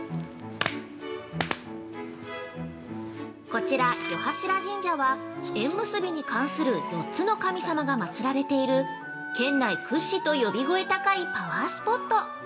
◆こちら四柱神社は、縁結びに関する４つの神様が祭られている県内屈指と呼び声高いパワースポット。